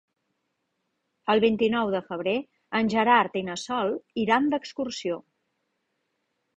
El vint-i-nou de febrer en Gerard i na Sol iran d'excursió.